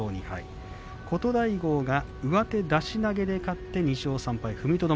琴太豪が上手出し投げで勝って２勝３敗。